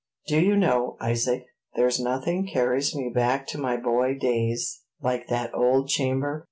"Do you know, Isaac, there's nothing carries me back to my boy days like that old chamber?